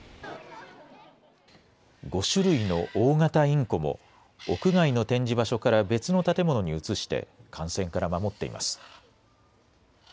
５種類の大型インコも、屋外の展示場所から別の建物に移して、感染から守っています。